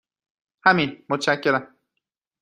همین، متشکرم.